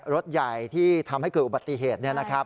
รถใหญ่ที่ทำให้เกิดอุบัติเหตุ